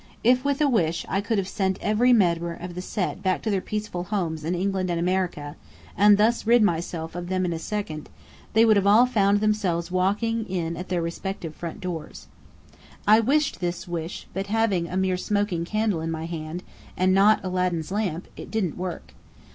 If with a wish I could have sent every member of the Set back to their peaceful homes in England and America, and thus rid myself of them in a second, they would all have found themselves walking in at their respective front doors. I wished this wish, but having a mere smoking candle in my hand, and not Aladdin's lamp, it didn't work.